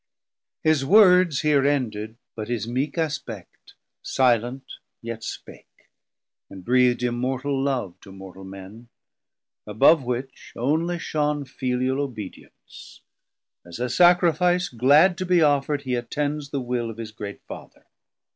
His words here ended, but his meek aspect Silent yet spake, and breath'd immortal love To mortal men, above which only shon Filial obedience: as a sacrifice Glad to be offer'd, he attends the will 270 Of his great Father.